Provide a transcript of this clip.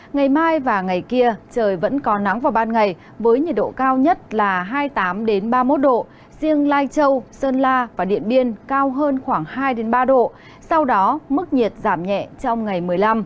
ngày mai và ngày kia trời vẫn có nắng vào ban ngày với nhiệt độ cao nhất là hai mươi tám ba mươi một độ riêng lai châu sơn la và điện biên cao hơn khoảng hai ba độ sau đó mức nhiệt giảm nhẹ trong ngày một mươi năm